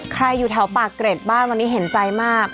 อยู่แถวปากเกร็ดบ้างตอนนี้เห็นใจมาก